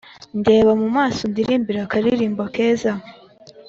Ndeba mumaso undirimbire akaririmbo keza